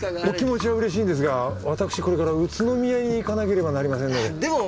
お気持ちはうれしいんですが私これから宇都宮に行かなければなりませんので。